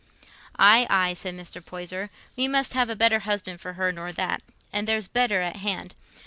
"Aye, aye," said Mr. Poyser, "we must have a better husband for her nor that, and there's better at hand.